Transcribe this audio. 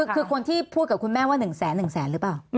คือคนที่พูดกับคุณแม่ว่า๑แสน๑แสนหรือเปล่า